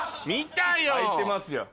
はいてますよ。